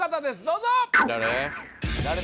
どうぞ誰？